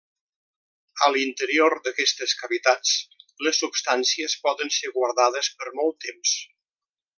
A l'interior d'aquestes cavitats les substàncies poden ser guardades per molt temps.